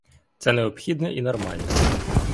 Це необхідне і нормальне.